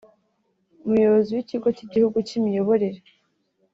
Umuyobozi w’Ikigo cy’Igihugu cy’imiyoborere